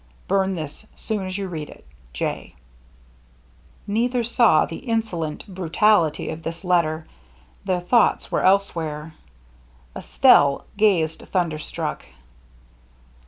Burn this soon as you read It. „ T » Neither saw the insolent brutality of this letter; their thoughts were elsewhere. Estelle gazed, thunderstruck.